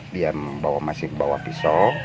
dia masih membawa pisau